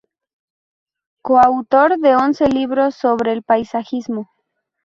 Coautor de once libros sobre el paisajismo.